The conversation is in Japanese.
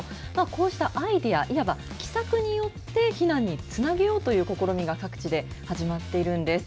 こうしたアイデア、いわば奇策によって避難につなげようという試みが各地で始まっているんです。